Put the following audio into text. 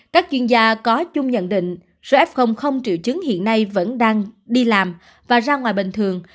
các chuyên gia có chung nhận định số f không triệu chứng hiện nay vẫn đang đi làm và ra ngoài bình thường